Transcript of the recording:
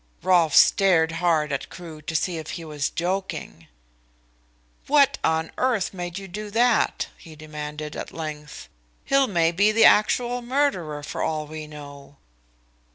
Rolfe stared hard at Crewe to see if he was joking. "What on earth made you do that?" he demanded at length. "Hill may be the actual murderer for all we know."